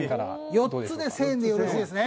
４つで１０００円でよろしいですね？